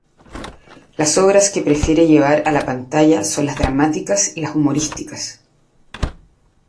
Las obras que prefiere llevar a la pantalla son las dramáticas y las humorísticas.